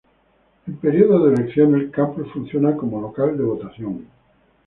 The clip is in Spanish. En períodos de elecciones, el campus funciona como local de votación.